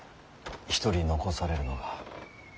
一人残されるのが。